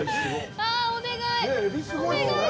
あ、お願い！